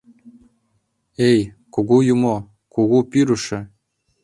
— Эй, кугу юмо, кугу пӱрышӧ!